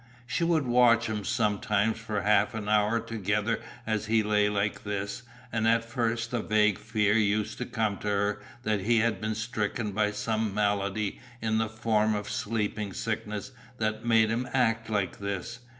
She would watch him sometimes for half an hour together as he lay like this, and at first the vague fear used to come to her that he had been stricken by some malady in the form of sleeping sickness that made him act like this.